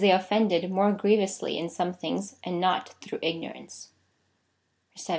offended more grievously in some things, and not through ignorance. 1 7.